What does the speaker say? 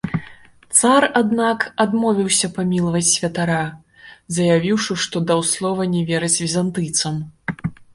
Цар, аднак, адмовіўся памілаваць святара, заявіўшы, што даў слова не верыць візантыйцам.